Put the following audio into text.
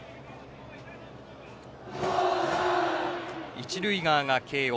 一塁側が慶応。